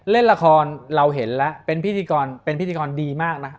เล่นละครเราเห็นแล้วเป็นพิธีกรดีมากนะ